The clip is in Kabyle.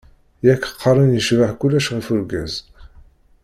Yak qqaren yecbeḥ kulec ɣef urgaz.